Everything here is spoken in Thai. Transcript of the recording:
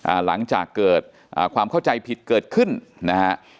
หลังจากเกิดอ่าความเข้าใจผิดเกิดขึ้นนะฮะ